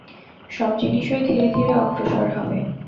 সব জিনিষই ধীরে ধীরে অগ্রসর হবে।